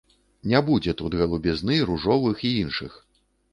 Не будзе тут галубізны, ружовых і іншых.